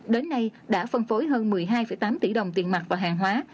đến nay đã phân phối hơn một mươi hai tám tỷ đồng tiền mặt và hàng hóa